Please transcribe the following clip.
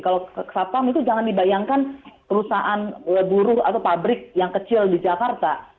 kalau satpam itu jangan dibayangkan perusahaan buruh atau pabrik yang kecil di jakarta